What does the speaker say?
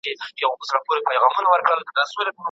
د میوو د صادراتو کچه سږکال په هیواد کې لوړه شوې ده.